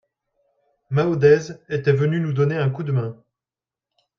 Maodez était venu nous donner un coup de main.